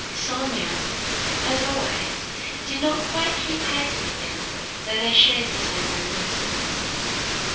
Sónya, as always, did not quite keep pace with them, though they shared the same reminiscences.